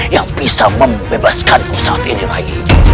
yang bisa membebaskanku saat ini rai